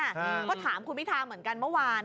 ก็ถามคุณพิธาเหมือนกันเมื่อวาน